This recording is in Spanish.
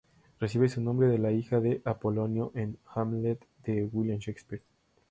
Recibe su nombre de la hija de Apolonio en Hamlet de William Shakespeare.